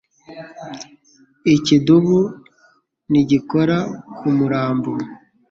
Ikidubu ntigikora ku murambo